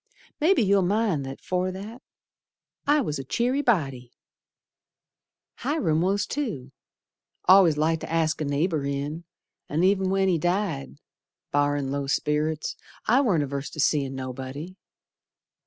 Mebbe you'll mind that afore that I was a cheery body. Hiram was too, Al'ays liked to ask a neighbor in, An' ev'n when he died, Barrin' low sperrits, I warn't averse to seein' nobody.